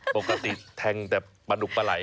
ปกติแทงแต่ประหนุประไหล